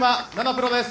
プロです。